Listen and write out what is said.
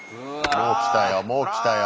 もう来たよもう来たよ。